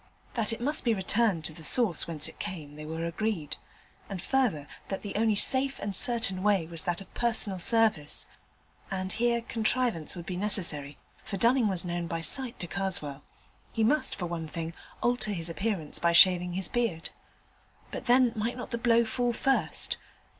That it must be returned to the source whence it came they were agreed, and further, that the only safe and certain way was that of personal service; and here contrivance would be necessary, for Dunning was known by sight to Karswell. He must, for one thing, alter his appearance by shaving his beard. But then might not the blow fall first?